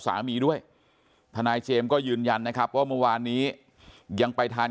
สามีด้วยทนายเจมส์ก็ยืนยันนะครับว่าเมื่อวานนี้ยังไปทาง